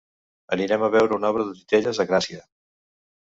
Anirem a veure una obra de titelles a Gràcia.